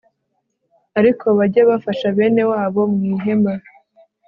ariko bajye bafasha bene wabo mu ihema